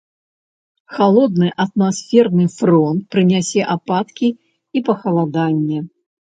Халодны атмасферны фронт прынясе ападкі і пахаладанне.